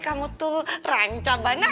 kamu tuh ranca banas